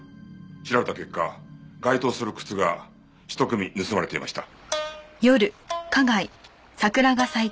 調べた結果該当する靴が一組盗まれていました。